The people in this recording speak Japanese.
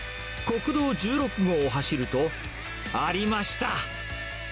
国道１６号を走ると、ありました。